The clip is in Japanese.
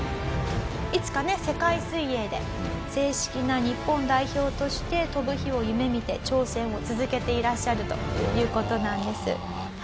いつかね世界水泳で正式な日本代表として飛ぶ日を夢見て挑戦を続けていらっしゃるという事なんです。